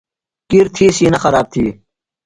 کِر تھی سِینہ خراب تھی۔